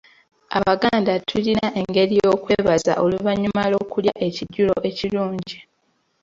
Abaganda tulina engeri y’okwebaza oluvannyuma lw’okulya ekijjulo ekirungi.